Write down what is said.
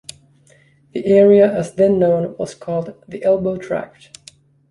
The area as then known was called "The Elbow Tract".